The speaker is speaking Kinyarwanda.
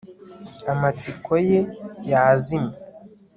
Amatsiko ye yazimye